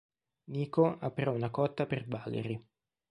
Nico ha però una cotta per Valery.